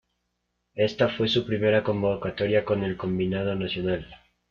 Esta fue su primera convocatoria con el combinado nacional.